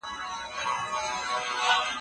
ایا نوي کروندګر تور ممیز خرڅوي؟